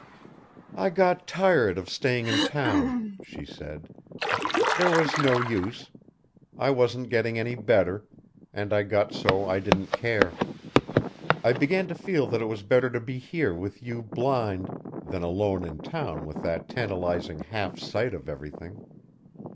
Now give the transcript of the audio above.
"I got tired of staying in town," she said. "There was no use. I wasn't getting any better, and I got so I didn't care. I began to feel that it was better to be here with you blind, than alone in town with that tantalizing half sight of everything.